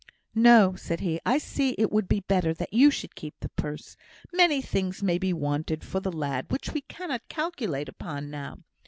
"No!" said he. "I see it would be better that you should keep the purse. Many things may be wanted for the lad which we cannot calculate upon now.